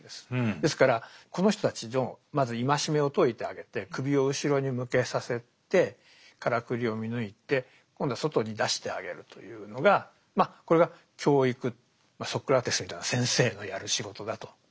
ですからこの人たちのまず縛めを解いてあげて首を後ろに向けさせてカラクリを見抜いて今度は外に出してあげるというのがこれが教育ソクラテスみたいな先生のやる仕事だと。